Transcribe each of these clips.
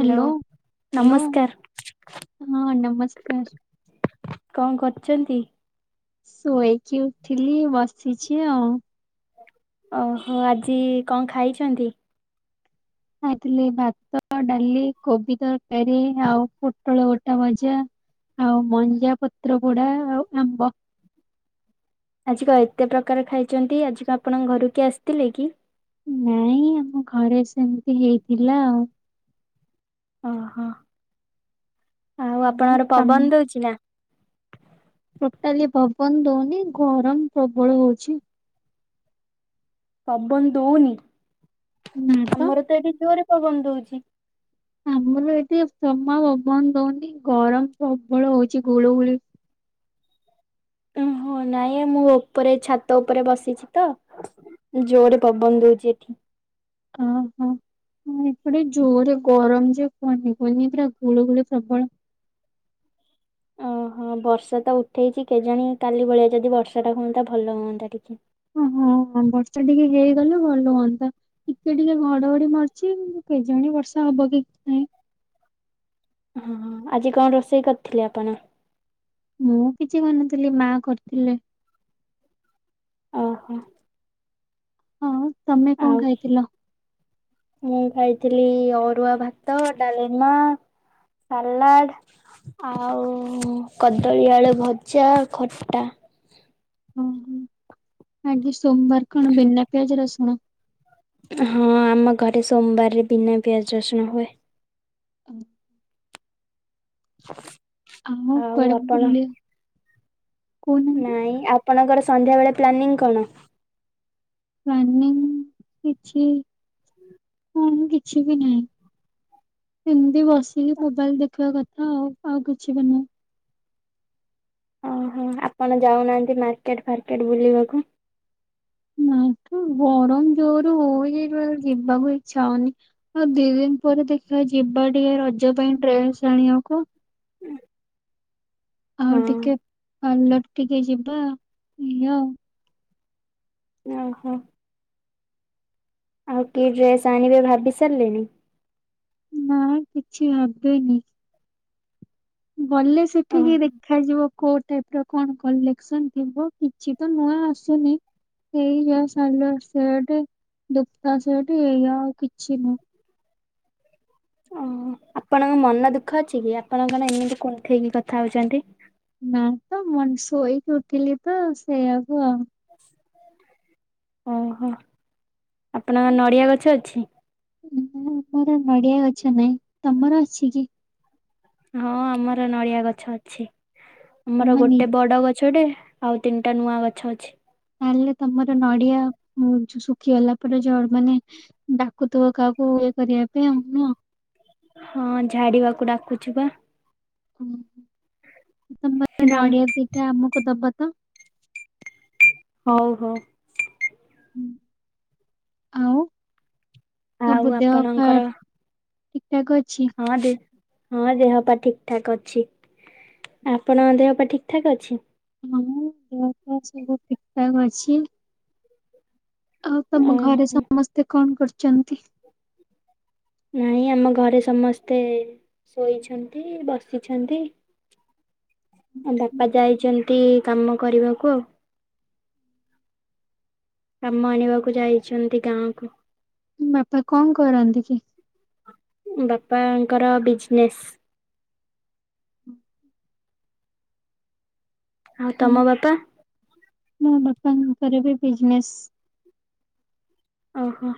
Hello hello ନମସ୍କାର। ହଁ ନମସ୍କାର। କଣ କରୁଚନ୍ତି? ଶୋଇକି ଉଠିଲି ବସିଛି ଆଉ। ଓହୋ ଆଜି କଣ ଖାଇଚନ୍ତି? ଖାଇଥିଲି ଭାତ ଡାଲି କୋବି ତରକାରୀ ଆଉ ପୋଟଳ ଗୋଟା ଭଜା। ଆଉ ମଞ୍ଜା ପତ୍ର ପୋଡା ଆଉ ଆମ୍ବ। ଆଜି କ ଏତେ ପ୍ରକାର ଖାଇଛନ୍ତି ଆଜି କ ଆପଣଙ୍କ ଘରୁକୁ କିଏ ଆସିଥିଲେ କି। ନାଇଁ ଆମ ଘରେ ସେମିତି ହେଇଥିଲା ଆଉ। ଓହୋ ଆଉ ଆପଣ ହର ପବନ ଦଉଛି ନା। ଟୋଟାଲି ପବନ ଦଉନି ଗରମ ପ୍ରବଳ ହଉଛି। ପବନ ଦଉନି ଆମର ତ ଏଠି ଜୋରେ ପବନ ଦଉଚି। ଆମର ଏଠି ଯମା ପବନ ହଉନି ଗରମ ପ୍ରବଳ ହଉଛି ଗୁଳୁଗୁଳି। ଉ ହୋ ନାଇଁ ମୁଁ ଉପରେ ଛାତ ଉପରେ ବସିଛି ତ। ଜୋରେ ପବନ ଦଉଚି ଏଠି। ଓ ହୋ। ହଁ ଏପଟେ ଜୋରେ ଗରମ ଯେ କୁହନି କୁହନି ପୁରା ଗୁଳୁ ଗୁଳି ପ୍ରବଳ। ହଁ ବର୍ଷା ତ ଉଠେଇଚି କେଜାଣି କାଲି ଭଳିଆ ଯଦି ବର୍ଷା ଟା ହୁଅନ୍ତା ଭଲ ହୁଅନ୍ତା ଟିକେ। ଅ ହଁ ବର୍ଷା ଟିକେ ହେଇଗଲେ ଭଲ ହୁଅନ୍ତା। ଟିକେ ଟିକେ ଘଡଘଡି ମରୁଛି କେଜାଣି ବର୍ଷା ହବ କି ନାହିଁ। ହଁ ଆଜି କଣ ରୋଷେଇ କରିଥିଲେ ଆପଣ? ମୁଁ କିଛି କରିନଥିଲି ମା କରିଥିଲେ। ଅ ହୋ। ହଁ ତମେ ଆଉ କଣ ଖାଇଥିଲ? ମୁଁ ଖାଇଥିଲି ଅରୁଆ ଭାତ ଡାଲିମା। ସାଲାଡ୍। ଆଉ କଦଳୀ ଆଳୁ ଭଜା ଆଉ ଖଟା। ଓହୋ ଆଜି ସୋମବାର କଣ ଵିନା ପିଆଜ ରସୁଣ? ହଁ ଆମ ଘରେ ସୋମବାରରେ ବିନା ପିଆଜ ରଶୁଣରେ ହୁଏ। ହଁ। [inaudible] ଆଉ କୁଆଡେ ବୁଲ ବାକୁ ନାଇଁ ଆପଣଙ୍କର ସନ୍ଧ୍ୟାବେଳେ ପ୍ଲାନିଂ କଣ? ପ୍ଲାନିଙ୍ଗ କିଛି ପୁଣି କିଛି ବି ନାହିଁ। ଏମିତି ବସିକି ମୋବାଇଲି ଦେଖିବା କଥା ଆଉ ଆଉ କିଛି ବି ନୁହେଁ। ଓହୋ ଆପଣ ଯାଉନାହାନ୍ତି ମାର୍କେଟ ଫାର୍କେଟ ବୁଲିବାକୁ। ନା ଠୁ ଗରମ ଜୋରରେ ହୋଉଇଛି ଯିବାକୁ ଇଛା ହୋଉନି। ହଁ ଦିଇଦିନ ପରେ ଦେଖିବା ଯିବା ଟିକେ ରଜ ପାଇଁ ଡ୍ରେସ ଆଣିବାକୁ। ଆଉ ହଁ ଟିକେ ପାର୍ଲର ଟିକେ ଯିବା ଏଇଆ ଆଉ। ଓହୋ। ଆଉ କି ଡ୍ରେସ ଆଣିବେ ଭାବି ସାରିଲେଣିି? ନା କିଛି ଭାବିନି। ଗଲେ ସେଠିକି ଓହୋ ଦେଖାଯିବ। କୋଉ ଟାଇପ୍ ର କଣ କଲେକ୍ସନ ଥିବ କିଛି ତ ନୂଆ ଆସୁନି ଏଇ ଯା ସାଲୁଆର ସେଟ ଦୁପା ସେଟ ଏଇଆା ଆଉ କିଛି ନୁହେଁ। ଓହୋ ଆପଣଙ୍କ ମନ ଦୁଃଖ ଅଛି କି ଆପଣ କଣ ଏମିତି କୁଂଥେଇ କି କଥା ହେଉଛନ୍ତି? ନା ତ ମ ଶୋଇକି ଉଠିଲି ତ ସେଇଆକୁ ଆଉ ଓହୋ ଆପଣଙ୍କ ନଡିଆ ଗଛ ଅଛି? ଆମର ନଡିଆ ଗଛ ନାଇଁ ତମର ଅଛି କି? ହଁ ଆମର ନଡିଆ ଗଛ ଅଛି ଆମର ତମେ ନି ଗୋଟେ ବଡ ଗଛଟେ ଆଉ ତିନିଟା ନୂଆ ଗଛ ଅଛି। ତାହେଲେ ତମର ନଡିଆ ଉ ଯୁ ଶୁଖିଗଲା ପରେ ଝଡେ ମାନେ ଡାକୁଥିବ କାହାକୁ ଇଏ କରିବା ପାଇଁ ନୁହଁ? ହଁ ଝାଡିବାକୁ ଡାକୁଛୁ ପା ତମର ଏଇନା ନଡିଆ ଦିଇଟା ଆମକୁ ଦବ ତ? ହୋଉ ହୋଉ। ଆଉ। ଆଉ ସବୁ ଦେହ ଫା ଆପଣଙ୍କର ଠିକଠାକ୍ ଅଛି? ହଁ ଠିକ୍ ହଁ ଦେହ ପା ଠିକ୍ ଠାକ୍ ଅଛି ଆପଣଙ୍କ ଦେହ ପା ଠିକ୍ ଠାକ୍ ଅଛି? ହଁ ଦେହପା ସବୁଠିକ୍ ଠାକ୍ଅଛି। ଆଉ ତମ ଘରେ ଓହୋ ସମସ୍ତେ କଣ କରୁଚନ୍ତି? ନାଇଁ ଆମ ଘରେ ସମସ୍ତେ ଶୋଇଛନ୍ତି ବସିଛନ୍ତି। ବାପା ଯାଇଚନ୍ତି କାମ କରିବାକୁ ଆଉ। କାମ ଆଣିବାକୁ ଯାଇଛନ୍ତି ଗାଁକୁ। ବାପା କଣ କରନ୍ତି କି? ବାପାଙ୍କର ବିଜିନେସ୍। ହୁଁ ହୁଁ। ଆଉ ହୁଁ, ତମ ବାପା? ମୋ ବାପାଙ୍କର ବି ବିଜିନେସ୍। ଓହୋ।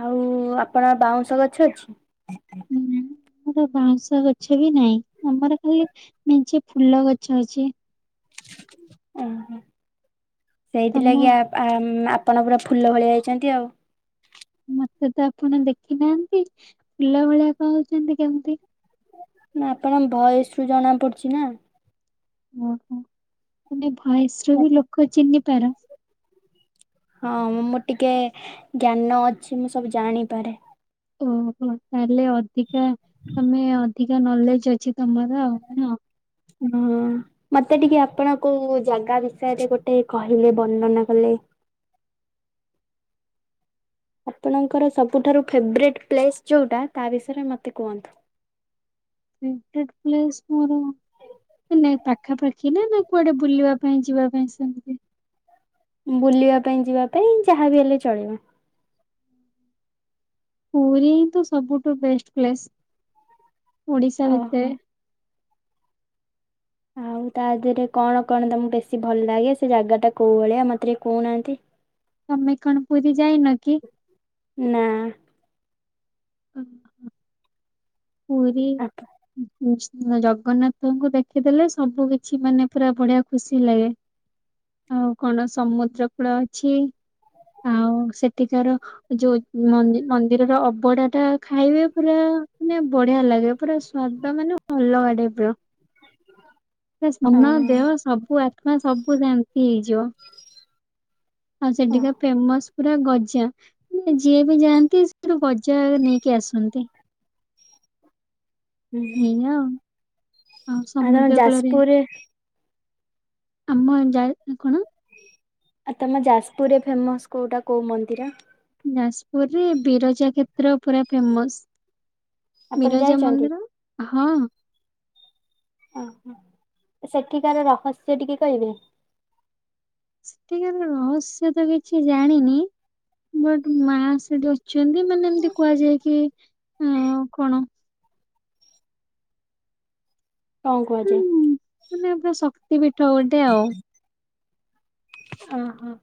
ଆଉ ଆପଣ ବାଉଁଶ ଗଛ ଅଛି? ନା ଆମର ବାଉଁଶ ଗଛ ବି ନାହିଁ। ଆମର ଖାଲି ମେଞ୍ଚେ ଫୁଲ ଗଛ ଅଛି। ଓହୋ। ତମ ସେଇଥିଲାଗି ଆ ଆମ ଆପ ଆପଣ ପୁରା ଫୁଲ ଭଳିଆ ହେଇଚନ୍ତି ଆଉ। ମତେ ତ ଆପଣ ଦେଖି ନାହାନ୍ତି, ଫୁଲ ଭଳିଆ କହୁଚନ୍ତି କେମିତି? ନା ଆପଣଙ୍କ ଭୟେସ୍ ରୁ ଜଣା ପଡୁଛି ନା। ଓହୋ ତମେ ଭୟେସ୍ ରୁ ବି ଲୋକ ଚିହ୍ନି ପାର? ହଁ ମୁଁ ମୁଁ ଟିକେ ଜ୍ଞାନ ଅଛି, ମୁଁ ସବୁ ଜାଣିପାରେ। ଓହୋ ତାହେଲେ ଅଧିକା ତମେ ଅଧିକା ନଲେଜ ଅଛି ତମର ଆଉ ନା ହଁ। ମତେ ଟିକିଏ ଆପଣ କୋଉ ଜାଗା ବିଷୟରେ ଗୋଟେ କହିଲେ ବର୍ଣ୍ଣନା କଲେ। ଆପଣଙ୍କର ସବୁଠାରୁ ଫେବରେଟ୍ ପ୍ଲେସ୍ ଯେଉଁଟା ତା ବିଷୟରେ ମୋତେ କୁହନ୍ତୁ। ଫେବରେଟ ପ୍ଲେସ୍ ମୋର ନାଇଁ ପାଖାପାଖି ନା? ନା କୁଆଡେ ବୁଲିବା ପାଇଁ ଯିବା ପାଇଁ ସେମିତି। ବୁଲିବା ପାଇଁ ଯିବା ପାଇଁ, ଯାହାବି ହେଲେ ଚଳିବ। ପୁରୀହିଁ ତ ସବୁଠୁ ବେଷ୍ଟ ପ୍ଲେସ, ଓଡିଶା ଭିତରେ। ଓହୋ। ଆଉ ତା ଦେହରେ କଣ କଣ ତମକୁ ବେଶୀ ଭଲ ଲାଗେ, ସେ ଜାଗାଟା କୋଉ ଭଳିଆ, ମତେ ଟିକେ କହୁନାହାନ୍ତି। ତମେ କଣ ପୁରୀ ଯାଇନ କି? ନାଁ। ହୁଁ ହୁଁ। ଆପ ପୁରୀ---ଉଁ ହୁଁ ଜଗନ୍ନାଥଙ୍କୁ ଦେଖିଦେଲେ, ସବୁ କିଛି ମାନେ ପୁରା ବଢ଼ିଆ ଖୁସି ଲାଗେ। ଆଉ କଣ, ସମୁଦ୍ର କୂଳ ଅଛି। [inaudible] ଆଉ ସେଠିକାର ଯୋଉ ମନ୍ଦିର ମନ୍ଦିରର ଅବଡା ଟା ଖାଇବେ ପୁରା ମାନେ ବଢିଆ ଲାଗେ। ପୁରା ସ୍ଵାଦ ମାନେ ଅଲଗା ଟାଇପ୍ ର। ଅ ସ୍ନ ଦେହ ସବୁ ଆତ୍ମା ସବୁ ଶାନ୍ତି ହେଇଯିବ। ଆଉ ଓ ସେଠିକା ଫେମସ ପୁରା ଗଜା। ନା ଯିଏ ବି ଯାଆନ୍ତି ସେଠୁ ବଜାର ନେଇକି ଆସନ୍ତି। ଏଇଆ ଆଉ। ଆଉ ଆ ତମ ସମୁଦ୍ର କୂଳରେ ଯାଜପୁରରେ ଆମ ଯା କଣ? ଆଉ ତମ ଯାଜପୁରରେ ଫେମସ୍ କୋଉଟା କୋଉ ମନ୍ଦିର? ଯାଜପୁରରେ ବିରଜା କ୍ଷେତ୍ର ପୁରା ଫେମସ। ଆପଣ ବିରଜା ଯାଇଛନ୍ତି? ମନ୍ଦିର ହଁ। ଓହୋ ସେଠିକାର ରହସ୍ୟ ଟିକେ କହିବେ? ସେଠିକାର ରହସ୍ୟ ତ କିଛି ଜାଣିନି, ବଟ ମା ସେଠି ଅ ଅଛନ୍ତି ମାନେ ଏମିତି କୁହାଯାଏ କି ଅ କଣ? କଣ କୁହାଯାଏ? ହୁଁ, ମାନେ ପୁରା ଶକ୍ତି ପୀଠ ଗୋଟେ ଆଉ। ଓହୋ,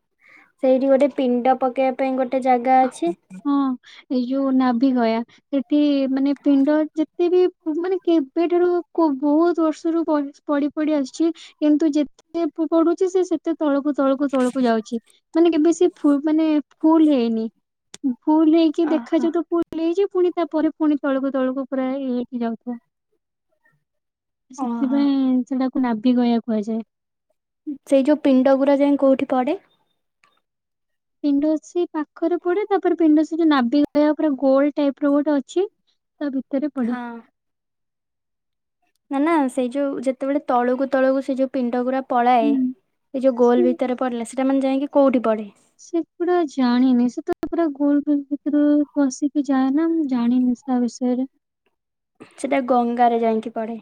ସେଇଠି ଗୋଟେ ପିଣ୍ଡ ପକେଇବା ପାଇଁ ଗୋଟେ ଜାଗା ଅଛି ହଁ ଏଇ ଯୋଉ ନାଭିିଗୟା ସେଠି ମାନେ ପିଣ୍ଡ ଯେତେ ବି ମାନେ କେବେଠାରୁ କହୁ ବହୁତ ବର୍ଷରୁ ପଡ଼ି ପଡ଼ି ଆସିଛି କିନ୍ତୁ ଯେତେ ପଡୁଛି ସେ ସେତେ ତଳକୁ ତଳକୁ ତଳକୁ ଯାଉଛି। ମାନେ କେବେ ସେ ଫୁଲ୍ ମାନେ ଫୁଲ୍ ହେଇନି। ଭୁଲ ହେଇକି ଓହୋ ଦେଖାଯାଉ ତ ଭୁଲ ହେଇଛି ପୁଣି ତାପରେ ପୁଣି ତଳକୁ ତଳକୁ ପୁରା ଇକି ଯାଉଥିବ। ଓହୋ ସେଥିପାଇଁ ସେଟାକୁ ନାଭିି ଗୟା କୁହାଯାଏ। ସେଇ ଯୋଉ ପିଣ୍ଡ ଗୁରା ଯାଇ କୋଉଠି ପଡେ? ପିଣ୍ଡ ସେଇ ପାଖରେ ପଡେ ତାପରେ ପିଣ୍ଡ ସେଠି ନାଭିଗୟା ପୁରା ଗୋଲ ଟାଇପ ର ଗୋଟେ ଅଛି ତା ଭିତରେ ହଁ ପଡେ। ନା ନା ସେଇ ଯୋଉ ଯେତେବେଳେ ତଳକୁ ତଳକୁ ସେ ଯୋଉ ପିଣ୍ଡ ଗୁରା ପଳାଏ ହୁଁ ଏ ଯଉ ସେ ଗୋଲ ଭିତରେ ପଡିଲା ସେଇଟା ମାନେ ଯାଇକି କଉଠି ପଢ଼େ? ସେ ଗୁଡା ଜାଣିନି ସେ ତ ପୁରା ଗୋଲ ଗୋଲ ଭିତରେ ପସିକି ଯାଏ ନା ମୁଁ ଜାଣିନି ତା ବିଷୟରେ। ସେଟା ଗଙ୍ଗାରେ ଯାଇଙ୍କି ପଡେ।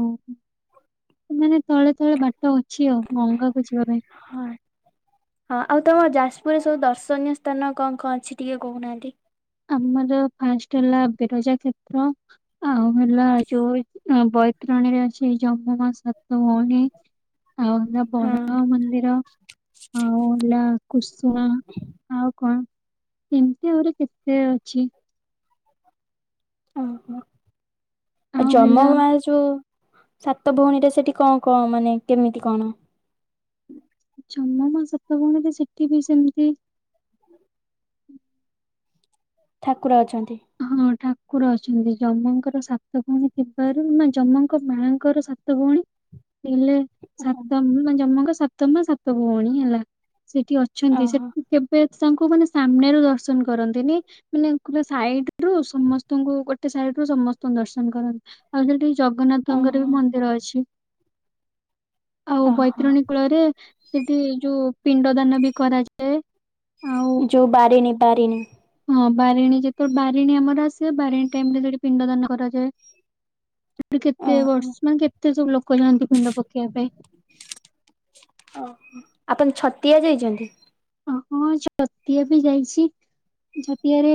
ଓ ସେ ମାନେ ତଳେ ତଳେ ବାଟ ଅଛି ଆଉ ଗଙ୍ଗାକୁ ଯିବା ପାଇଁ। ହଁ। ହଁ ଆଉ ତମ ଯାଜପୁରରେ ସବୁ ଦର୍ଶନୀୟ ସ୍ଥାନ କଣ କଣ ଅଛି ଟିକେ କହୁନାହାନ୍ତି। ଆମର ଫାଷ୍ଟ ହେଲା ବେରଜା କ୍ଷେତ୍ର। ଆଉ ହେଲା ଯୋଉ ବୈତରଣୀରେ ଅଛି ଜମ ମା ସାତ ଭଉଣୀ। [inaudible] [unintelligible] ମନ୍ଦିର ଆଉ ହେଲା କୁସୁମା ଆଉ କଣ ଏମିତି ଆହୁରି କେତେ ସେ ଅଛି। ଓହୋ ଆ ଆଉ ଜମ ହେଲା ମାଜ ଯଉ ସାତ ଭଉଣୀରେ ସେଠି କଣ କଣ ମାନେ କେମିତି କଣ? ଜମମା ସାତ ଭଉଣୀରେ ସେଠି ବି ସେମିତି ଠାକୁର ଅଛନ୍ତି। ହଁ ଠାକୁର ଅଛନ୍ତି ଯମଙ୍କର ସାତ ଭଉଣୀ ଥିବାରୁ ନାଇଁ ଯମଙ୍କ ମାଙ୍କର ସା ତ ଭଉଣୀ ଥିଲେ। ସାତମ ମାନେ ଯମଙ୍କ ସାତ ମା ସାତ ଭଉଣୀ ହେଲା ସେଠି ଅଛନ୍ତି ଓହୋ ସେଠି କେବେ ତାଙ୍କୁ ମାନେ ସାମ୍ନାରୁ ଦର୍ଶନ କରନ୍ତିନି ମାନେ ଗୋଟେ ସାଇଡ ରୁ ସମସ୍ତଙ୍କୁ ଗୋ ଗୋଟେ ସାଇଡ ରୁ ସମସ୍ତଙ୍କୁ ଦର୍ଶନ କରନ୍ତି ଆଉ ସେଠି ଜଗନ୍ନାଥଙ୍କର ଓହୋ ବି ମନ୍ଦିର ଅଛି। ଆଉ ଓହୋ ବୈତରଣୀ କୂଳରେ ସେଠି ଯୋଉ ପିଣ୍ଡ ଦାନ ବି କରାଯାଏ ଆଉ ଯୋଉ ବିରିଣୀ ବିରିଣୀ ହଁ ବାରିଣୀ ଯେତେବେଳେ ବାରିଣୀ ଆମର ଆସିବ ବାରିଣୀ ଟାଇମ ରେ ସେଠି ପିଣ୍ଡ ଦାନ କରାଯାଏ। କେତେ କେତେ ଓହୋ। ବର୍ଷ ମାନେ କେତେ ସବୁ ଲୋକ ଯାଆନ୍ତି ପିଣ୍ଡ ପକେଇବା ପାଇଁ। ଆପଣ ଛତିଆ ଯାଇଛନ୍ତି? ହ ହଁ ଛତିଆ ବି ଯାଇଛି ଛତିଆରେ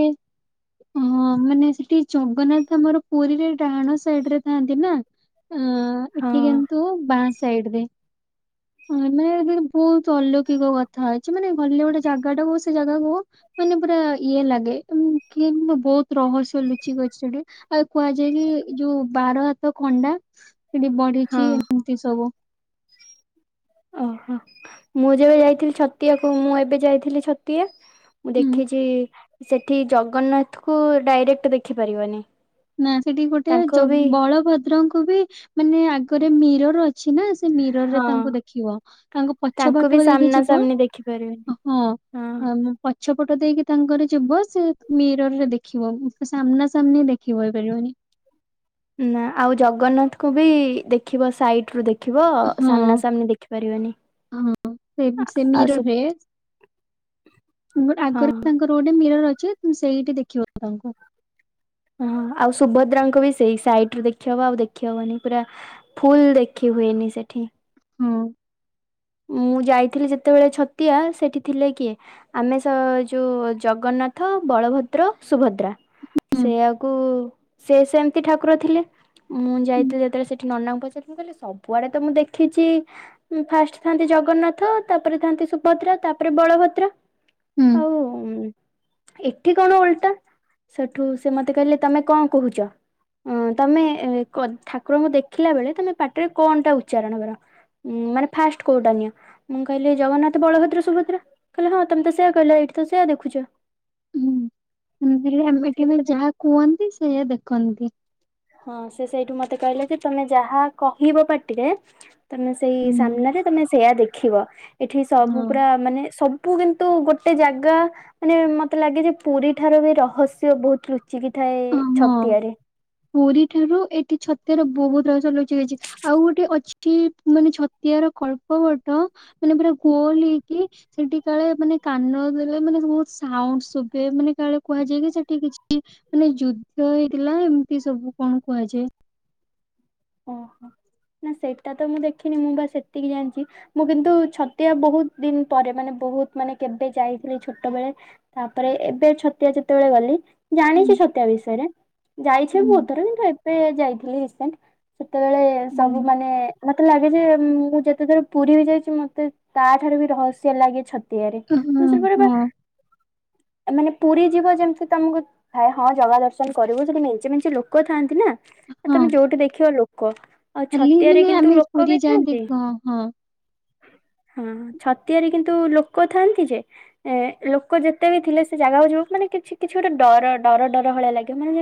ହଁ ମାନେ ସେଠି ଜଗନ୍ନାଥ ଆମର ପୁରୀରେ ଡାହାଣ ସାଇଡ ରେ ଥାନ୍ତି ନା ଆଁ ହଁ ଏଠି କିନ୍ତୁ ବାଁ ସାଇଡ ରେ। ହଁ ମେବି ବହୁତ ଅଲୌକିକ କଥା ଅଛି ମାନେ ଭଲେ ଗୋଟେ ଜାଗା ଟା କହୁ ସେ ଜାଗାକୁ ମାନେ ପୁରା ଇଏ ଲାଗେ କି କିମ ବହୁତ ରହସ୍ୟ ଲୁଚିକି ଅଛି ସେଠି। ଆଉ କୁହାଯାଏ କି ଯୋଉ ବାର ହାତ ଖଣ୍ଡା ସେଠି ହଁ ବଢିଛି ଏମିତି ସବୁ। ଓହୋ ମୁଁ ଯେବେ ଯାଇଥିଲି ଛତିଆକୁ ମୁଁ ଏବେ ଯାଇଥିଲି ଛ ତିଆ ମୁଁ ହୁଁ ଦେଖିଛି ସେଠି ଜଗନ୍ନାଥକୁ ଡାଇରେକ୍ଟ ଦେଖିପାରିବନି। ନା ସେଠି ଗୋଟେ ତାଙ୍କୁ ଜ ବି ବଳଭଦ୍ରଙ୍କୁ ବି ମାନେ ଆଗରେ ମିରର ଅଛି ନା ସେ ମିରର ରେ ହଁ ତାଙ୍କୁ ଦେଖିବ ତାଙ୍କ ପଛ ଫାଟକ ଦେଇକି ଯିବ ଦେଖିପାରିବେ। ଓହୋ [unintelligible] ପଛପଟ ଦେଇକି ତାଙ୍କର ଯିବ ସେ ମିରର ରେ ଦେଖିବ ସାମ୍ନା ସାମ୍ନି ଦେଖ [unintelligible] ହୋଇ ପାରିବନି। ନା ଆଉ ଜଗନ୍ନାଥଙ୍କୁ ବି ଦେଖିବ ସାଇଟ ରୁ ଦେଖ ଦେଖିବ ହଁ ସାମ୍ନା ସାମନି ଦେଖିପାରିବେନି। ହଁ ସେ ସେ ମିରର ରେ ତମ ହଁ ଆଗ ତାର ଗୋଟେ ମିରର ଅଛି ତମେ ସେଇଠି ଦେଖିବ ତାଙ୍କୁ। ହଁ ଆଉ ସୁଭଦ୍ରାଙ୍କ ବି ସେଇ ସାଇଟୁ ଦେଖିହବ ଆଉ ଦେଖିହବନି ପୁରା ଫୁଲ ଦେଖି ହୁଏନି ସେଠି। ହୁଁ ମୁଁ ଯାଇଥିଲି ଯେତେବେଳେ ଛତିଆ ସେଠି ଥିଲେ କିଏ ଆମେ ସ ଯୋଉ ଜଗନ୍ନାଥ, ବଳଭଦ୍ର, ସୁଭଦ୍ରା ହୁଁ ସେୟାଆକୁ ସେ ସେମିତି ଠାକୁର ଥିଲେ ମୁଁ ହୁଁ ଯାଇଥିଲି ଯେତେବେଳେ ସେଠି ନନାଙ୍କୁ ପଚାରିଥିଲି କହିଲେ ସବୁଆଡେ ତ ମୁଁ ଦେଖିଛି ଫାଷ୍ଟ ଥାନ୍ତି ଜଗନ୍ନାଥ ତାପରେ ଥାନ୍ତି ସୁଭଦ୍ରା ତାପରେ ବଳଭଦ୍ର ହୁଁ ଆଉ ଉମ ଏଠି କଣ ଓଲଟା ସେଠୁ ସେ ମତେ କହିଲେ ତମେ କଣ କହୁଚ? ଉଁ ତମେ ଠାକୁରଙ୍କୁ ଦେଖିଲା ବେଳେ ତମେ ପାଟିରେ କଣ ଟା ଉଚ୍ଚାରଣ କର ଉଁ ମାନେ ଫାଷ୍ଟ କୋଉଟା ନିଅ? ମୁଁ କହିଲି ଜଗନ୍ନାଥ, ବଳଭଦ୍ର, ସୁଭଦ୍ରା କହିଲେ ହଁ ତମେ ତ ସେଇଆ କହିଲା ଏଇଠି ତ ସେୟା ଦେଖୁଚ। ମୁଁ କହିଲି ଆମେ [unintelligible] ଯାହା କୁହନ୍ତି ସେଇୟା ଦେଖନ୍ତି। ହଁ ସେ ସେଇଠୁ ମତେ କହିଲେ ଯେ ତମେ ଯାହା କହିବ ପାଟିରେ ତମେ ସେଇ ହୁଁ ସାମ୍ନାରେ ତମେ ସେୟା ଦେଖିବ ଏଠି ସବୁ ହଁ ପୁରା ମାନେ ସବ ବୁ କିନ୍ତୁ ଗୋଟେ ଜାଗା ମାନେ ମତେ ଲାଗେ ଯେ ପୁରୀ ଠାରୁ ବି ରହସ୍ୟ ବହୁତ ଲୁଚିକି ଥାଏ ହଁ ଛତିଆରେ। ପୁରୀ ଠାରୁ ଏଠି ଛତିଆର ବହୁତ ରହସ୍ୟ ଲୁଚିକି ଅଛି। ଆଉ ଗୋଟେ ଅଛି ମାନେ ଛତିଆର କଳ୍ପବଟ ମାନେ ପୁରା ଗୋଲ ହେଇକି ସେଠି ପଳେଇବ ମାନେ କାନ ଦେଲେ ମାନେ ବହୁତ ସାଉଣ୍ଡ ଶୁଭେ ମାନେ କାଳେ କୁହାଯାଏ କି ସେଠି କିଛି ମାନେ ଯୁଦ୍ଧ ହେଇଥିଲା ଏମିତି ସବୁ କଣ କୁହାଯାଏ। ଓହୋ ନା ସେଟା ତ ମୁଁ ଦେଖିନି ମୁଁ ବା ସେତିକି ଜାଣିଚି ମୁଁ କିନ୍ତୁ ଛତିଆ ବହୁତ ଦିନ ପରେ ମାନେ ବହୁତ ମାନେ କେବେ ଯାଇଥିଲି ଛୋଟବେଳେ ତାପରେ ଏବେ ଛତିଆ ଯେତେବେଳେ ଗଲି ଜାଣିଛି ହଁ ଛତିଆ ବିଷୟରେ ଯାଇଛି ବହୁତ ଥର କିନ୍ତୁ ଏବେ ଯାଇଥିଲି ରିସେଣ୍ଟ ସେତେବେଳେ ସବୁ ମାନେ ମତେ ଲାଗେ ଯେ ମୁଁ ଯେତେଥର ପୁରୀ ବି ଯାଇଛି ମତେ ତା ଠାରୁ ବି ରହସ୍ୟ ଲାଗେ ଛତିଆରେ କିନ୍ତୁ ସେଟା ଏବେ ହଁ ଆମର ପୁରୀ ଯିବ ଯେମିତି ତମକୁ ହଁ ଜଗା ଦର୍ଶନ କରିବୁ ସେଠି ମେଞ୍ଚେ ମେଞ୍ଚେ ଲୋକ ଥାଆନ୍ତି ନା ହଁ ତମେ ଯୋଉଠି ଦେଖିବ ଲୋକ ଆଉ ଖାଲି ଛତିଆରେ ମାନେ କିନ୍ତୁ ଆମେ ଲୋକ ବି ପୁରୀ ଯାଆନ୍ତି ଥାନ୍ତି ହଁ ହଁ। ହଁ, ଛତିଆରେ କିନ୍ତୁ ଲୋକ ଥାଆନ୍ତି ଯେ ଏ ଲୋକ ଯେତେ ବି ଥିଲେ ସେ ଜାଗାକୁ ଯିବାକୁ ମାନେ କିଛି କିଛି ଗୋଟେ ଡର ଡର ଡର ଭଳିଆ ଲାଗିବ ମାନେ